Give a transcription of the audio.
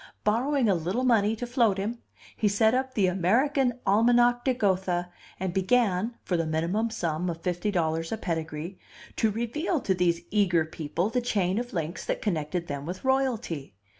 Borrowing a little money to float him, he set up The American Almanach de Gotha and began (for the minimum sum of fifty dollars a pedigree) to reveal to these eager people the chain of links that connected them with royalty.